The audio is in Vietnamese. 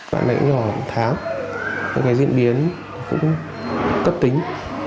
bạn này cũng nhỏ một tháng và cái diễn biến cũng cấp tính